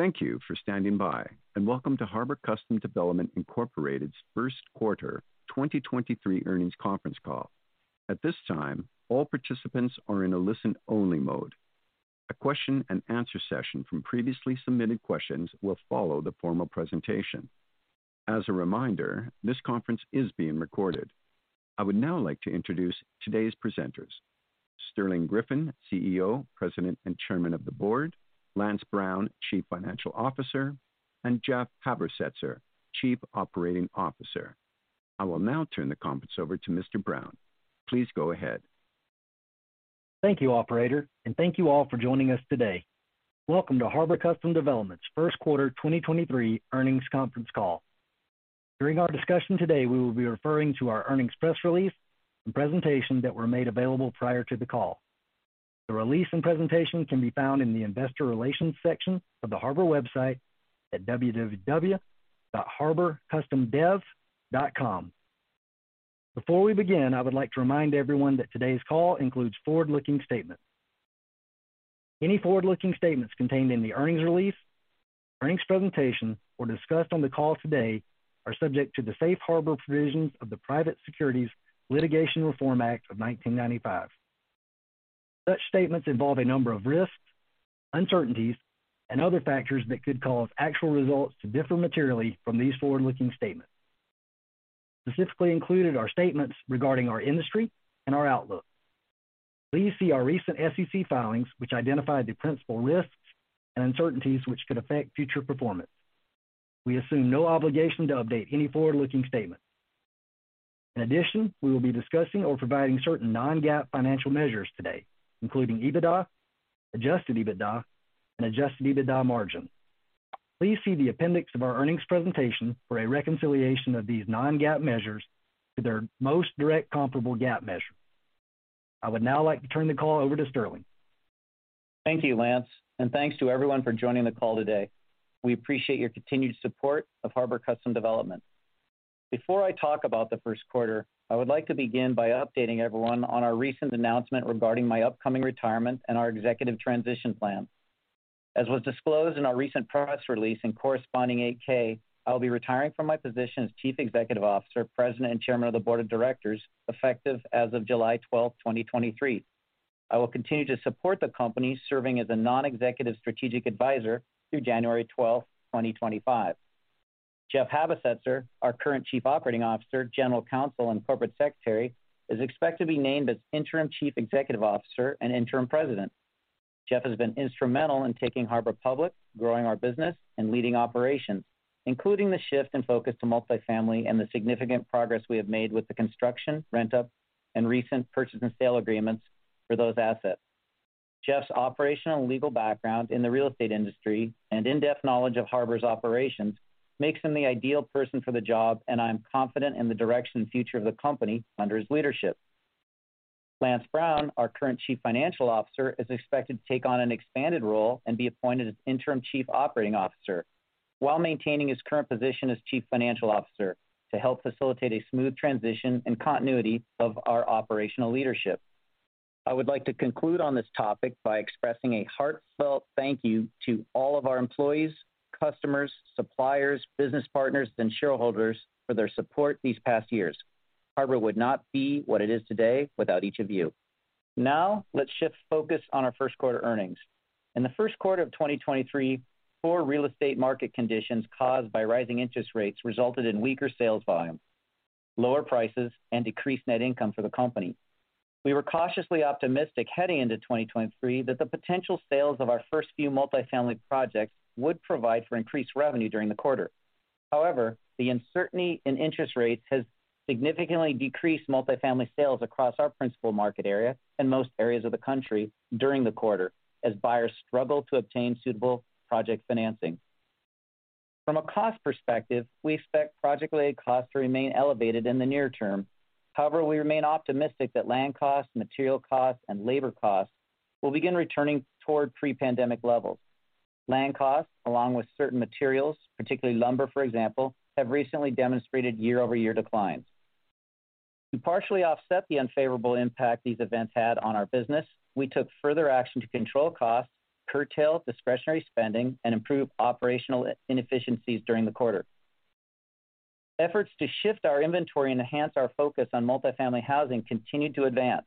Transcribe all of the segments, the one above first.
Thank you for standing by, and welcome to Harbor Custom Development, Inc.'s first quarter 2023 earnings conference call. At this time, all participants are in a listen-only mode. A question and answer session from previously submitted questions will follow the formal presentation. As a reminder, this conference is being recorded. I would now like to introduce today's presenters, Sterling Griffin, CEO, President, and Chairman of the Board, Lance Brown, Chief Financial Officer, and Jeff Habersetzer, Chief Operating Officer. I will now turn the conference over to Mr. Brown. Please go ahead. Thank you, operator, and thank you all for joining us today. Welcome to Harbor Custom Development's first quarter 2023 earnings conference call. During our discussion today, we will be referring to our earnings press release and presentation that were made available prior to the call. The release and presentation can be found in the investor relations section of the Harbor website at www.harborcustomhomes.com. Before we begin, I would like to remind everyone that today's call includes forward-looking statements. Any forward-looking statements contained in the earnings release, earnings presentation, or discussed on the call today are subject to the safe harbor provisions of the Private Securities Litigation Reform Act of 1995. Such statements involve a number of risks, uncertainties, and other factors that could cause actual results to differ materially from these forward-looking statements. Specifically included are statements regarding our industry and our outlook. Please see our recent SEC filings, which identify the principal risks and uncertainties which could affect future performance. We assume no obligation to update any forward-looking statement. In addition, we will be discussing or providing certain non-GAAP financial measures today, including EBITDA, adjusted EBITDA, and adjusted EBITDA margin. Please see the appendix of our earnings presentation for a reconciliation of these non-GAAP measures to their most direct comparable GAAP measure. I would now like to turn the call over to Sterling. Thank you, Lance. Thanks to everyone for joining the call today. We appreciate your continued support of Harbor Custom Development. Before I talk about the first quarter, I would like to begin by updating everyone on our recent announcement regarding my upcoming retirement and our executive transition plan. As was disclosed in our recent press release and corresponding Form 8-K, I'll be retiring from my position as Chief Executive Officer, President, and Chairman of the Board of Directors, effective as of July 12, 2023. I will continue to support the company, serving as a non-executive strategic advisor through January 12, 2025. Jeff Habersetzer, our current Chief Operating Officer, General Counsel, and Corporate Secretary, is expected to be named as Interim Chief Executive Officer and Interim President. Jeff has been instrumental in taking Harbor public, growing our business, and leading operations, including the shift in focus to multifamily and the significant progress we have made with the construction, rent-up, and recent purchase and sale agreements for those assets. Jeff's operational and legal background in the real estate industry and in-depth knowledge of Harbor's operations makes him the ideal person for the job. I am confident in the direction and future of the company under his leadership. Lance Brown, our current chief financial officer, is expected to take on an expanded role and be appointed as interim chief operating officer while maintaining his current position as chief financial officer to help facilitate a smooth transition and continuity of our operational leadership. I would like to conclude on this topic by expressing a heartfelt thank you to all of our employees, customers, suppliers, business partners, and shareholders for their support these past years. Harbor would not be what it is today without each of you. Now, let's shift focus on our first quarter earnings. In the first quarter of 2023, poor real estate market conditions caused by rising interest rates resulted in weaker sales volume, lower prices, and decreased net income for the company. We were cautiously optimistic heading into 2023 that the potential sales of our first few multifamily projects would provide for increased revenue during the quarter. However, the uncertainty in interest rates has significantly decreased multifamily sales across our principal market area in most areas of the country during the quarter as buyers struggle to obtain suitable project financing. From a cost perspective, we expect project-related costs to remain elevated in the near term. We remain optimistic that land costs, material costs, and labor costs will begin returning toward pre-pandemic levels. Land costs, along with certain materials, particularly lumber, for example, have recently demonstrated year-over-year declines. To partially offset the unfavorable impact these events had on our business, we took further action to control costs, curtail discretionary spending, and improve operational inefficiencies during the quarter. Efforts to shift our inventory and enhance our focus on multifamily housing continued to advance.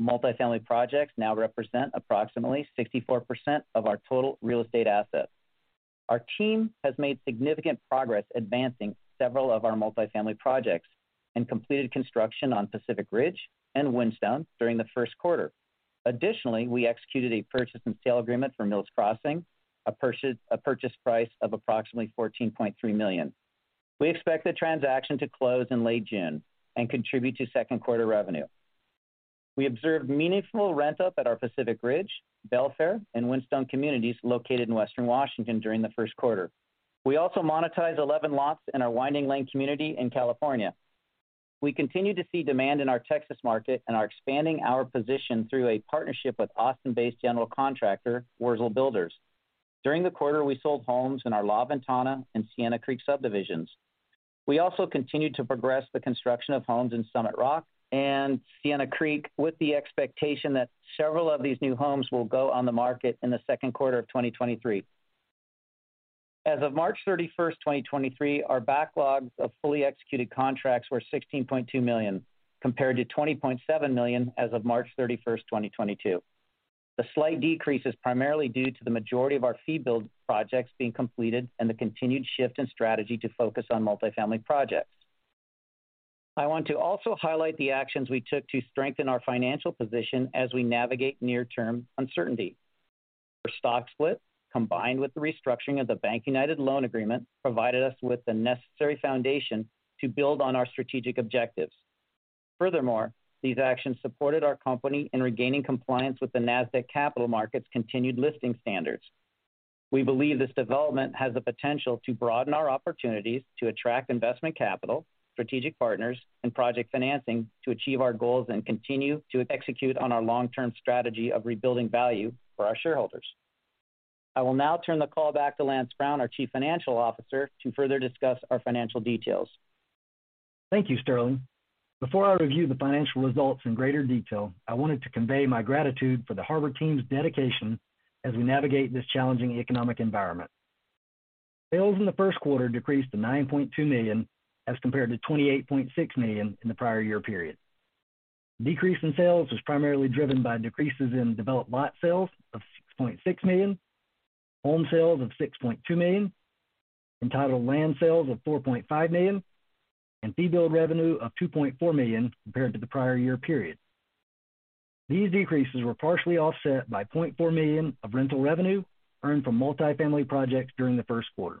Multifamily projects now represent approximately 64% of our total real estate assets. Our team has made significant progress advancing several of our multifamily projects and completed construction on Pacific Ridge and Windstone during the first quarter. We executed a purchase and sale agreement for Mills Crossing, a purchase price of approximately $14.3 million. We expect the transaction to close in late June and contribute to second quarter revenue. We observed meaningful rent up at our Pacific Ridge, Belfair, and Windstone communities located in Western Washington during the first quarter. We also monetized 11 lots in our Winding Lane community in California. We continue to see demand in our Texas market and are expanding our position through a partnership with Austin-based general contractor, Wartell Builders. During the quarter, we sold homes in our La Ventana and Sienna Creek subdivisions. We also continued to progress the construction of homes in Summit Rock and Sienna Creek, with the expectation that several of these new homes will go on the market in the second quarter of 2023. As of March thirty-first, 2023, our backlogs of fully executed contracts were $16.2 million, compared to $20.7 million as of March thirty-first, 2022. The slight decrease is primarily due to the majority of our fee build projects being completed and the continued shift in strategy to focus on multifamily projects. I want to also highlight the actions we took to strengthen our financial position as we navigate near-term uncertainty. Our stock split, combined with the restructuring of the BankUnited loan agreement, provided us with the necessary foundation to build on our strategic objectives. Furthermore, these actions supported our company in regaining compliance with the Nasdaq Capital Market continued listing standards. We believe this development has the potential to broaden our opportunities to attract investment capital, strategic partners, and project financing to achieve our goals and continue to execute on our long-term strategy of rebuilding value for our shareholders. I will now turn the call back to Lance Brown, our Chief Financial Officer, to further discuss our financial details. Thank you, Sterling. Before I review the financial results in greater detail, I wanted to convey my gratitude for the Harbor team's dedication as we navigate this challenging economic environment. Sales in the first quarter decreased to $9.2 million as compared to $28.6 million in the prior year period. Decrease in sales was primarily driven by decreases in developed lot sales of $6.6 million, home sales of $6.2 million, entitled land sales of $4.5 million, and fee build revenue of $2.4 million compared to the prior year period. These decreases were partially offset by $0.4 million of rental revenue earned from multifamily projects during the first quarter.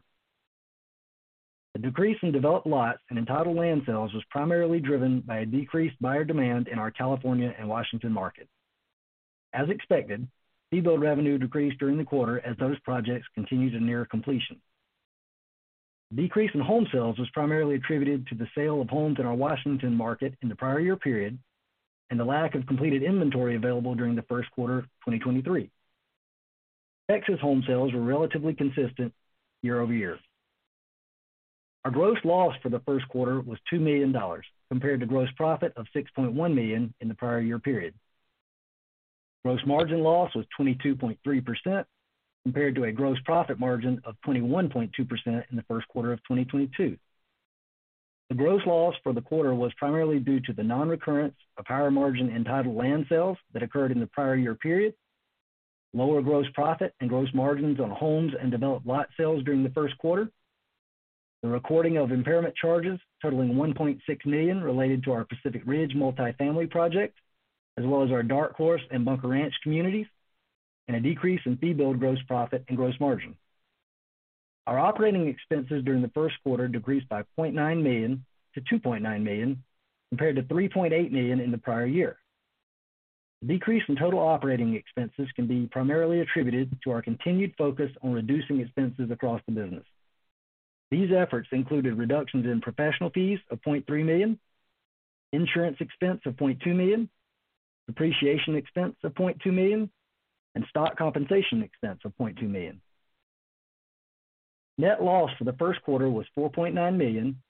The decrease in developed lots and entitled land sales was primarily driven by a decreased buyer demand in our California and Washington market. As expected, fee build revenue decreased during the quarter as those projects continued to near completion. Decrease in home sales was primarily attributed to the sale of homes in our Washington market in the prior year period and the lack of completed inventory available during the first quarter of 2023. Texas home sales were relatively consistent year-over-year. Our gross loss for the first quarter was $2 million compared to gross profit of $6.1 million in the prior year period. Gross margin loss was 22.3% compared to a gross profit margin of 21.2% in the first quarter of 2022. The gross loss for the quarter was primarily due to the non-recurrence of higher margin entitled land sales that occurred in the prior year period. Lower gross profit and gross margins on homes and developed lot sales during the first quarter. The recording of impairment charges totaling $1.6 million related to our Pacific Ridge multifamily project, as well as our Dark Horse and Bunker Ranch communities, and a decrease in fee build gross profit and gross margin. Our operating expenses during the first quarter decreased by $0.9 million-$2.9 million, compared to $3.8 million in the prior year. Decrease in total operating expenses can be primarily attributed to our continued focus on reducing expenses across the business. These efforts included reductions in professional fees of $0.3 million, insurance expense of $0.2 million, depreciation expense of $0.2 million, and stock compensation expense of $0.2 million. Net loss for the first quarter was $4.9 million,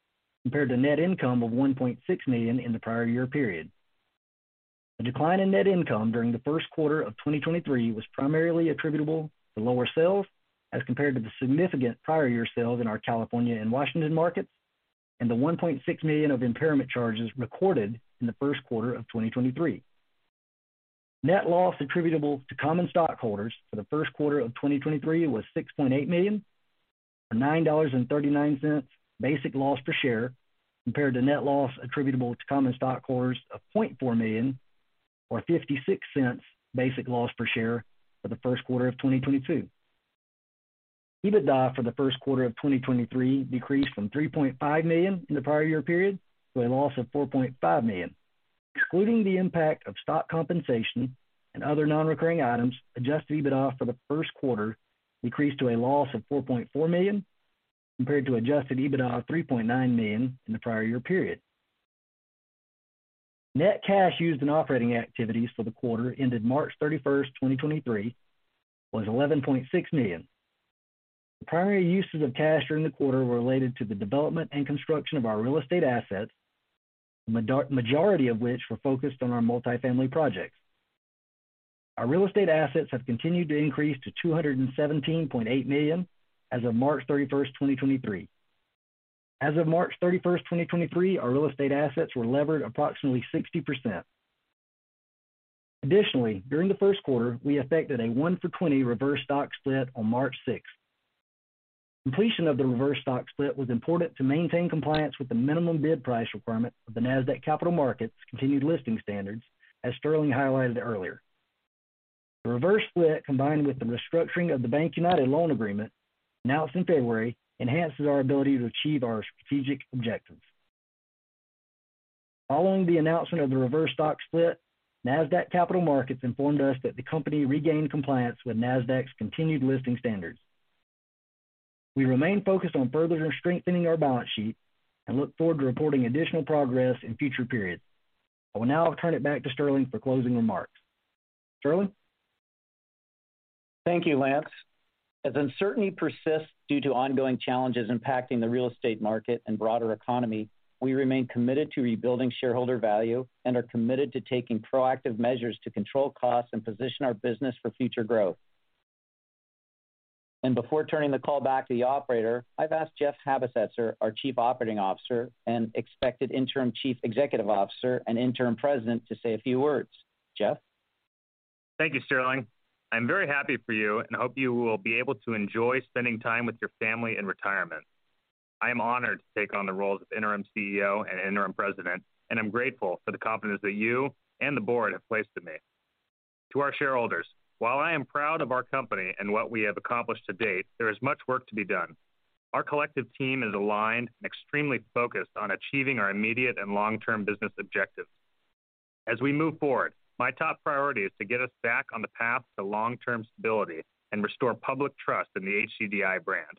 compared to net income of $1.6 million in the prior year period. The decline in net income during the first quarter of 2023 was primarily attributable to lower sales as compared to the significant prior year sales in our California and Washington markets, and the $1.6 million of impairment charges recorded in the first quarter of 2023. Net loss attributable to common stockholders for the first quarter of 2023 was $6.8 million, or $9.39 basic loss per share, compared to net loss attributable to common stockholders of $0.4 million or $0.56 basic loss per share for the first quarter of 2022. EBITDA for the first quarter of 2023 decreased from $3.5 million in the prior year period to a loss of $4.5 million. Excluding the impact of stock compensation and other non-recurring items, adjusted EBITDA for the first quarter decreased to a loss of $4.4 million compared to adjusted EBITDA of $3.9 million in the prior year period. Net cash used in operating activities for the quarter ended March 31st, 2023 was $11.6 million. The primary uses of cash during the quarter were related to the development and construction of our real estate assets, majority of which were focused on our multifamily projects. Our real estate assets have continued to increase to $217.8 million as of March 31st, 2023. As of March 31, 2023, our real estate assets were levered approximately 60%. During the first quarter, we effected a one for 20 reverse stock split on March 6. Completion of the reverse stock split was important to maintain compliance with the minimum bid price requirement of the Nasdaq Capital Market continued listing standards, as Sterling highlighted earlier. The reverse split, combined with the restructuring of the BankUnited loan agreement announced in February, enhances our ability to achieve our strategic objectives. Following the announcement of the reverse stock split, Nasdaq Capital Market informed us that the company regained compliance with Nasdaq's continued listing standards. We remain focused on further strengthening our balance sheet and look forward to reporting additional progress in future periods. I will now turn it back to Sterling for closing remarks. Sterling? Thank you, Lance As uncertainty persists due to ongoing challenges impacting the real estate market and broader economy, we remain committed to rebuilding shareholder value and are committed to taking proactive measures to control costs and position our business for future growth. Before turning the call back to the operator, I've asked Jeff Habersetzer, our Chief Operating Officer and expected Interim Chief Executive Officer and Interim President, to say a few words. Jeff? Thank you, Sterling. I'm very happy for you and hope you will be able to enjoy spending time with your family in retirement. I am honored to take on the role of Interim CEO and Interim President, and I'm grateful for the confidence that you and the board have placed in me. To our shareholders, while I am proud of our company and what we have accomplished to date, there is much work to be done. Our collective team is aligned and extremely focused on achieving our immediate and long-term business objectives. As we move forward, my top priority is to get us back on the path to long-term stability and restore public trust in the HCDI brand.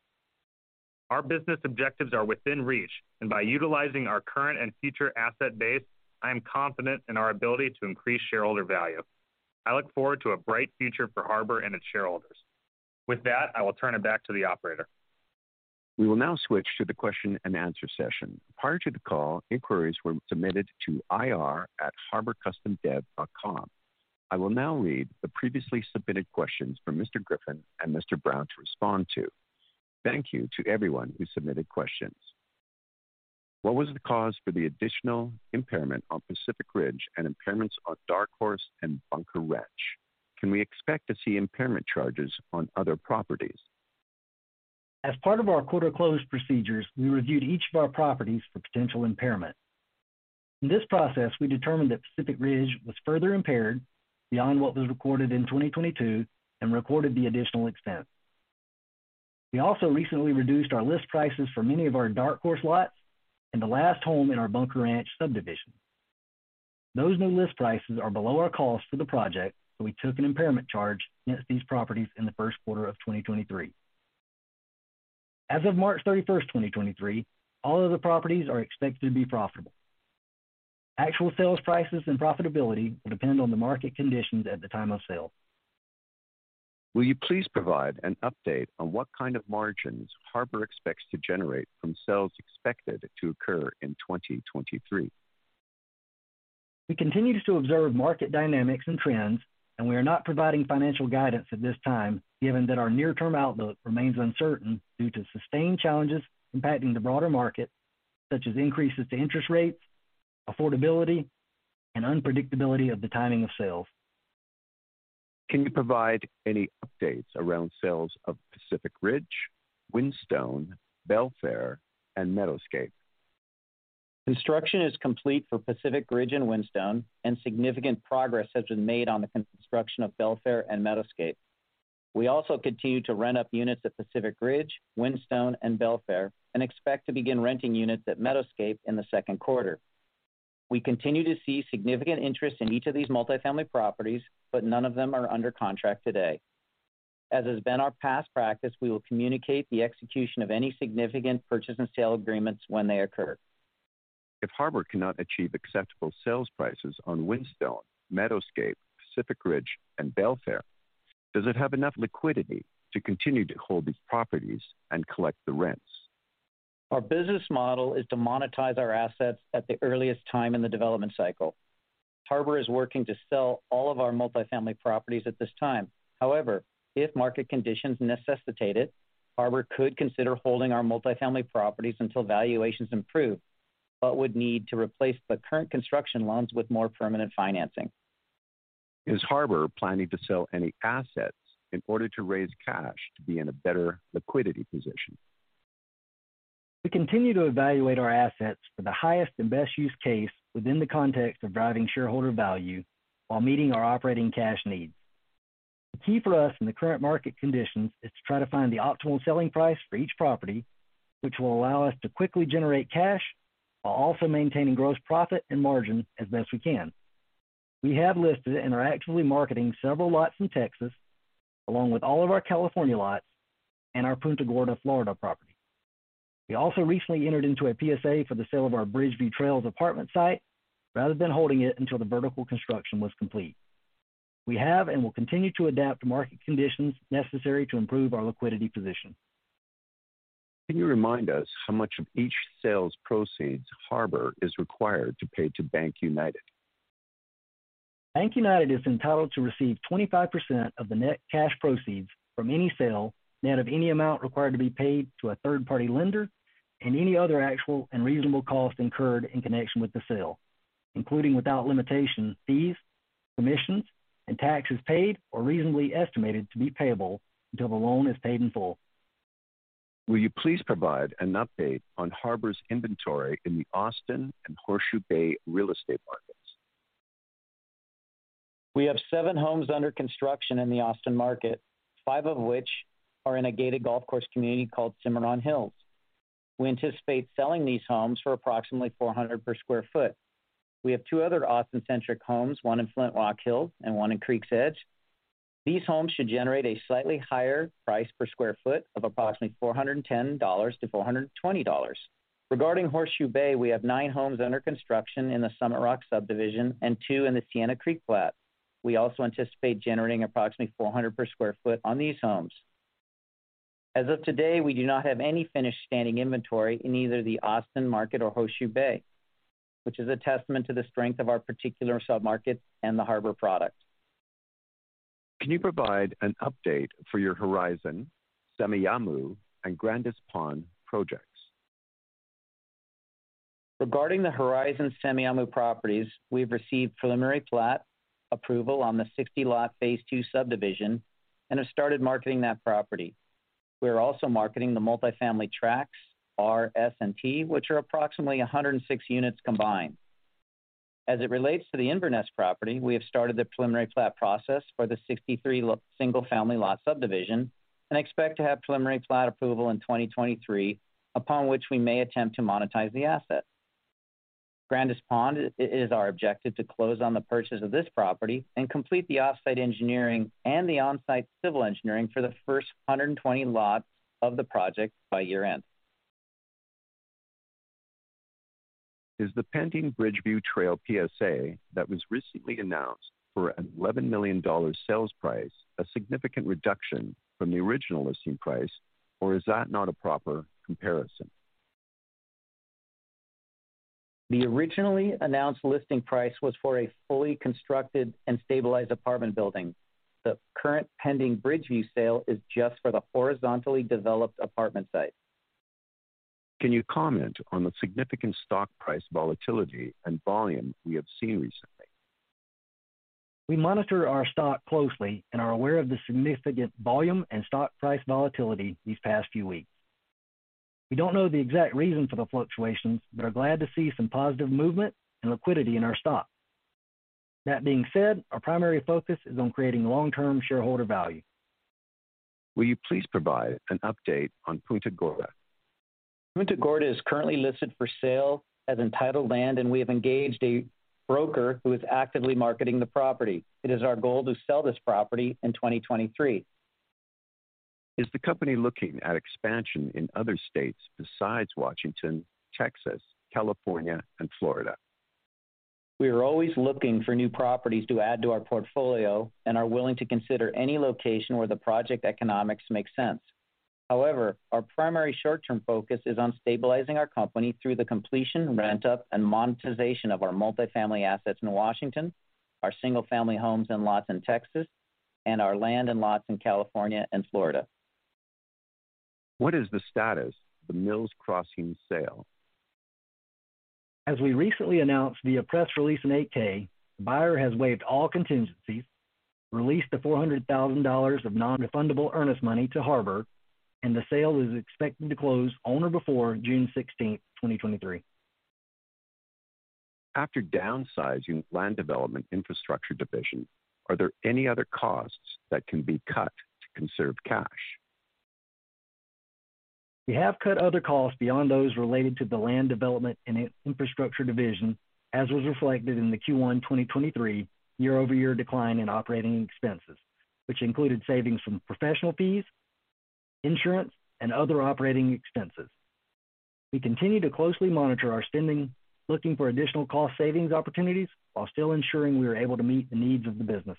Our business objectives are within reach, and by utilizing our current and future asset base, I am confident in our ability to increase shareholder value. I look forward to a bright future for Harbor and its shareholders. With that, I will turn it back to the operator. We will now switch to the question-and-answer session. Prior to the call, inquiries were submitted to ir@harborcustomhomes.com. I will now read the previously submitted questions for Mr. Griffin and Mr. Brown to respond to. Thank you to everyone who submitted questions. What was the cause for the additional impairment on Pacific Ridge and impairments on Dark Horse and Bunker Ranch? Can we expect to see impairment charges on other properties? As part of our quarter closed procedures, we reviewed each of our properties for potential impairment. In this process, we determined that Pacific Ridge was further impaired beyond what was recorded in 2022 and recorded the additional expense. We also recently reduced our list prices for many of our Dark Horse lots and the last home in our Bunker Ranch subdivision. Those new list prices are below our cost for the project, so we took an impairment charge against these properties in the first quarter of 2023. As of March 31st, 2023, all of the properties are expected to be profitable. Actual sales prices and profitability will depend on the market conditions at the time of sale. Will you please provide an update on what kind of margins Harbor expects to generate from sales expected to occur in 2023? We continue to observe market dynamics and trends, we are not providing financial guidance at this time, given that our near-term outlook remains uncertain due to sustained challenges impacting the broader market, such as increases to interest rates, affordability, and unpredictability of the timing of sales. Can you provide any updates around sales of Pacific Ridge, Windstone, Belfair, and Meadowscape? Construction is complete for Pacific Ridge and Windstone, and significant progress has been made on the construction of Belfair and Meadowscape. We also continue to rent up units at Pacific Ridge, Windstone, and Belfair, and expect to begin renting units at Meadowscape in the second quarter. We continue to see significant interest in each of these multifamily properties, but none of them are under contract today. As has been our past practice, we will communicate the execution of any significant purchase and sale agreements when they occur. If Harbor cannot achieve acceptable sales prices on Windstone, Meadowscape, Pacific Ridge, and Belfair, does it have enough liquidity to continue to hold these properties and collect the rents? Our business model is to monetize our assets at the earliest time in the development cycle. Harbor is working to sell all of our multifamily properties at this time. However, if market conditions necessitate it, Harbor could consider holding our multifamily properties until valuations improve, but would need to replace the current construction loans with more permanent financing. Is Harbor planning to sell any assets in order to raise cash to be in a better liquidity position? We continue to evaluate our assets for the highest and best use case within the context of driving shareholder value while meeting our operating cash needs. The key for us in the current market conditions is to try to find the optimal selling price for each property, which will allow us to quickly generate cash while also maintaining gross profit and margin as best we can. We have listed and are actively marketing several lots in Texas, along with all of our California lots and our Punta Gorda, Florida property. We also recently entered into a PSA for the sale of our Bridgeview Trails apartment site rather than holding it until the vertical construction was complete. We have and will continue to adapt to market conditions necessary to improve our liquidity position. Can you remind us how much of each sales proceeds Harbor is required to pay to BankUnited? BankUnited is entitled to receive 25% of the net cash proceeds from any sale net of any amount required to be paid to a third-party lender and any other actual and reasonable cost incurred in connection with the sale, including without limitation fees, commissions, and taxes paid or reasonably estimated to be payable until the loan is paid in full. Will you please provide an update on Harbor's inventory in the Austin and Horseshoe Bay real estate markets? We have seven homes under construction in the Austin market, five of which are in a gated golf course community called Cimarron Hills. We anticipate selling these homes for approximately $400 per sq ft. We have two other Austin-centric homes, one in Flintrock Falls and one in Creek's Edge. These homes should generate a slightly higher price per sq ft of approximately $410-$420. Regarding Horseshoe Bay, we have 9 homes under construction in the Summit Rock subdivision and two in the Sienna Creek plat. We also anticipate generating approximately $400 per sq ft on these homes. As of today, we do not have any finished standing inventory in either the Austin market or Horseshoe Bay, which is a testament to the strength of our particular submarket and the Harbor product. Can you provide an update for your Horizon, Semiahmoo, and Grandis Pond projects? Regarding the Horizon Semiahmoo properties, we have received preliminary plat approval on the 60-lot phase II subdivision and have started marketing that property. We are also marketing the multifamily tracts R, S, and T, which are approximately 106 units combined. As it relates to the Inverness property, we have started the preliminary plat process for the 63 single-family lot subdivision and expect to have preliminary plat approval in 2023, upon which we may attempt to monetize the asset. Grandis Pond, it is our objective to close on the purchase of this property and complete the offsite engineering and the on-site civil engineering for the first 120 lots of the project by year-end. Is the pending Bridgeview Trail PSA that was recently announced for an $11 million sales price a significant reduction from the original listing price, or is that not a proper comparison? The originally announced listing price was for a fully constructed and stabilized apartment building. The current pending Bridgeview sale is just for the horizontally developed apartment site. Can you comment on the significant stock price volatility and volume we have seen recently? We monitor our stock closely and are aware of the significant volume and stock price volatility these past few weeks. We don't know the exact reason for the fluctuations, but are glad to see some positive movement and liquidity in our stock. That being said, our primary focus is on creating long-term shareholder value. Will you please provide an update on Punta Gorda? Punta Gorda is currently listed for sale as entitled land, and we have engaged a broker who is actively marketing the property. It is our goal to sell this property in 2023. Is the company looking at expansion in other states besides Washington, Texas, California, and Florida? We are always looking for new properties to add to our portfolio and are willing to consider any location where the project economics make sense. Our primary short-term focus is on stabilizing our company through the completion, rent-up, and monetization of our multifamily assets in Washington, our single-family homes and lots in Texas, and our land and lots in California and Florida. What is the status of the Mills Crossing sale? As we recently announced via press release in Form 8-K, the buyer has waived all contingencies, released the $400,000 of non-refundable earnest money to Harbor, and the sale is expected to close on or before June 16th, 2023. After downsizing land development infrastructure division, are there any other costs that can be cut to conserve cash? We have cut other costs beyond those related to the land development and infrastructure division, as was reflected in the Q1 2023 year-over-year decline in operating expenses, which included savings from professional fees, insurance, and other operating expenses. We continue to closely monitor our spending, looking for additional cost savings opportunities while still ensuring we are able to meet the needs of the business.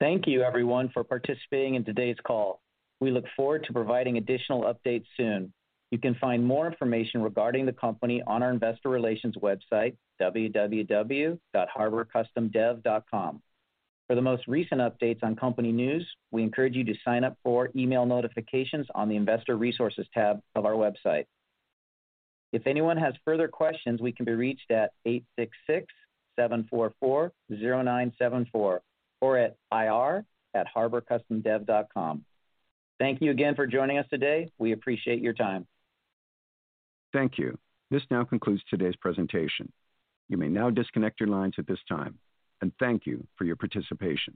Thank you everyone for participating in today's call. We look forward to providing additional updates soon. You can find more information regarding the company on our investor relations website, www.harborcustomhomes.com. For the most recent updates on company news, we encourage you to sign up for email notifications on the investor resources tab of our website. If anyone has further questions, we can be reached at 866-744-0974, or at ir@harborcustomhomes.com. Thank you again for joining us today. We appreciate your time. Thank you. This now concludes today's presentation. You may now disconnect your lines at this time, and thank you for your participation.